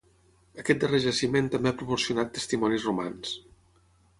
Aquest darrer jaciment també ha proporcionat testimonis romans.